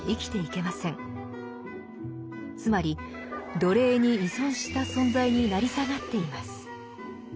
つまり奴隷に依存した存在に成り下がっています。